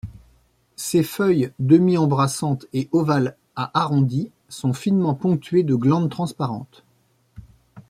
Ses feuilles demi-embrassantes et ovales à arrondies sont finement ponctuées de glandes transparentes.